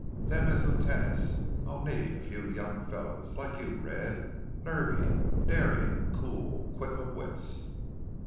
Then as lieutenants I'll need a few young fellows, like you, Red. Nervy, daring, cool, quick of wits."